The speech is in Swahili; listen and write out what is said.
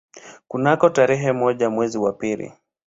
Kunako tarehe moja mwezi wa pili